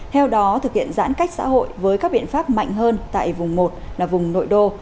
theo đó thực hiện giãn cách xã hội với các biện pháp mạnh hơn tại vùng một là vùng nội đô